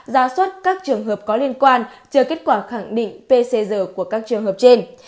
ra xuất các trường hợp có liên quan chờ kết quả khẳng định pcg của các trường hợp trên